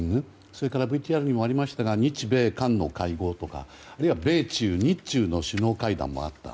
それからＶＴＲにもありましたが日米韓の会合とか、あるいは米中、日中の首脳会議もあった。